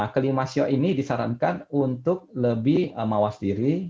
kelima siok ini disarankan untuk lebih mawas diri